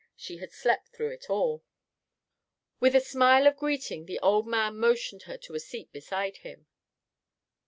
She had slept through it all. With a smile of greeting the old man motioned her to a seat beside him.